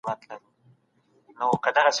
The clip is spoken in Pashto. حقیقي عاید باید په دقیق ډول محاسبه سي.